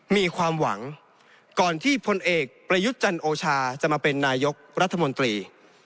มีความหวังก่อนที่พลเอกประยุทธ์จันโอชาจะมาเป็นนายกรัฐมนตรี